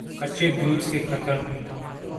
کچے دودھ سے خطرن